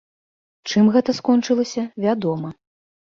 Чым гэта скончылася, вядома.